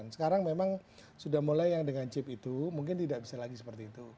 sekarang memang sudah mulai yang dengan chip itu mungkin tidak bisa lagi seperti itu